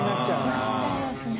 松田）なっちゃいますね。